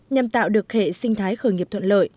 nhằm tạo được hệ sinh thái khởi nghiệp thuận lợi